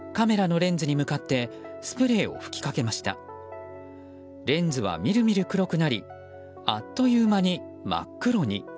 レンズはみるみる黒くなりあっという間に真っ黒に。